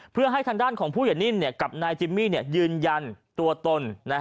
เพื่อให้ทางด้านของผู้ใหญ่นิ่มกับนายจิมมี่ยืนยันตัวตน